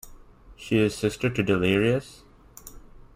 She is sister to Delirious?